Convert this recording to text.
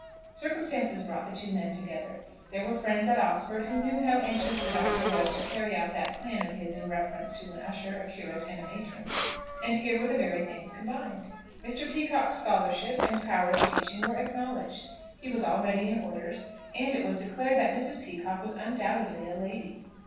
Circumstances brought the two men together. There were friends at Oxford who knew how anxious the Doctor was to carry out that plan of his in reference to an usher, a curate, and a matron, and here were the very things combined. Mr. Peacocke's scholarship and power of teaching were acknowledged; he was already in orders; and it was declared that Mrs. Peacocke was undoubtedly a lady.